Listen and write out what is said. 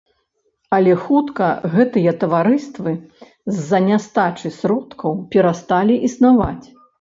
Але хутка гэтыя таварыствы з-за нястачы сродкаў перасталі існаваць.